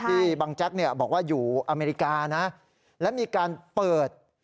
ที่บางแจ็คเนี้ยบอกว่าอยู่อเมริกานะแล้วมีการเปิด